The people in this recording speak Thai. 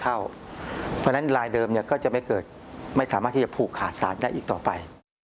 เพราะฉะนั้นลายเดิมก็จะไม่สามารถที่จะผูกขาดสารได้อีกต่อไป